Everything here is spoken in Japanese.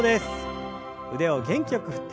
腕を元気よく振って。